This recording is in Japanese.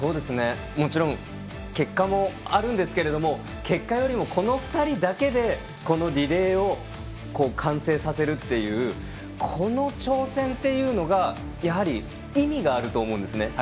もちろん結果もあるんですけども結果よりもこの２人だけでこのリレーを完成させるっていうこの挑戦っていうのがやはり意味があると思うんですね。